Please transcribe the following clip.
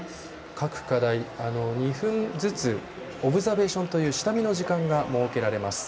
各課題２分ずつオブザベーションという下見の時間が設けられます。